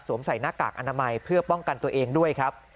ใส่หน้ากากอนามัยเพื่อป้องกันตัวเองด้วยครับ